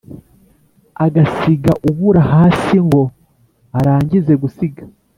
agasiga ubura hasi ngo arangize gusiga,